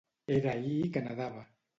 Era ahir que nedava.